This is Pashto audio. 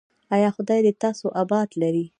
ایا خدای دې تاسو اباد لري؟